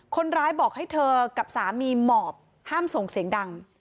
คนร้ายบอกให้เธอกับสามีหมอบห้ามส่งเสียงดัง